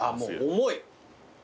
重い。